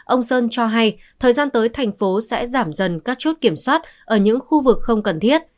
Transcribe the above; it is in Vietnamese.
ông sơn cho hay thời gian tới thành phố sẽ giảm dần các chốt kiểm soát ở những khu vực không cần thiết